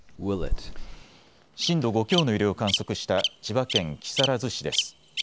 震度５強の揺れを観測した千葉県木更津市です。